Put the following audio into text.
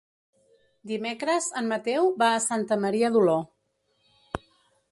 Dimecres en Mateu va a Santa Maria d'Oló.